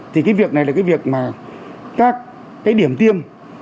thì cái việc này là cái việc mà các cái điểm tiêm